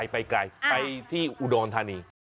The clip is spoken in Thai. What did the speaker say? ไปไกลไปที่อุดรธานี